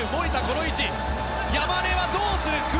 山根はどうする？